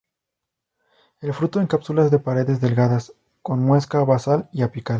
El fruto en cápsulas de paredes delgadas, con muesca basal y apical.